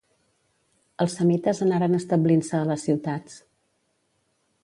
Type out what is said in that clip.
Els semites anaren establint-se a les ciutats.